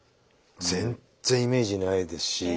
全然イメージないですし。